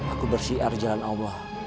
aku bersiar jalan allah